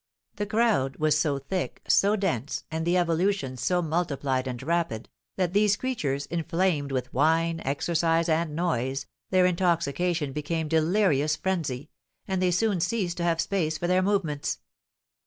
The crowd was so thick, so dense, and the evolutions so multiplied and rapid, that these creatures, inflamed with wine, exercise, and noise, their intoxication became delirious frenzy, and they soon ceased to have space for their movements.